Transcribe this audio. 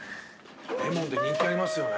レモンって人気ありますよね。